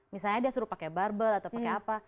misalnya dia suruh pakai barbel atau pakai apa